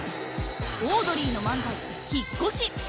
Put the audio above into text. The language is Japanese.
［オードリーの漫才「引っ越し」］